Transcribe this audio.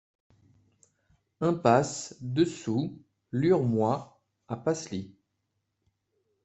Impasse Dessous l'Urmois à Pasly